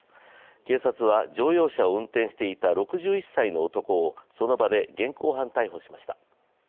警察は乗用車を運転していた６１歳の男をその場で現行犯逮捕しました。